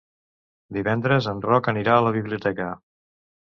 Divendres en Roc anirà a la biblioteca.